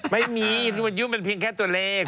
ไม่มีอายุมันเพียงแค่ตัวเลข